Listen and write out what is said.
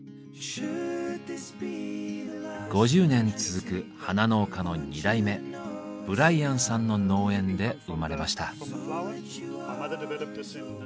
５０年続く花農家の二代目ブライアンさんの農園で生まれました。